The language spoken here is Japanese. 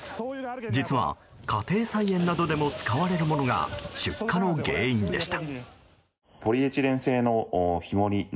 実は家庭菜園などでも使われるものが出火の原因でした。